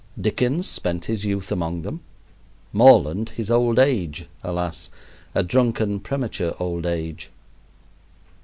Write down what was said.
Dickens spent his youth among them, Morland his old age alas! a drunken, premature old age.